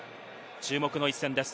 注目の一戦です。